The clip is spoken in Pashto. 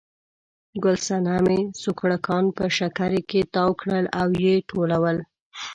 ګل صنمې سوکړکان په شکري کې تاو کړل او یې ټولول.